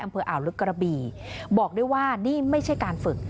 อำเภออ่าวลึกกระบีบอกได้ว่านี่ไม่ใช่การฝึก